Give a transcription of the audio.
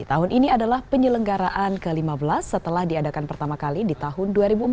tahun ini adalah penyelenggaraan ke lima belas setelah diadakan pertama kali di tahun dua ribu empat belas